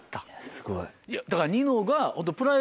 すごい。